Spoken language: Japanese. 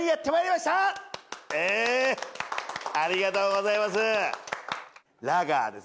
ありがとうございます。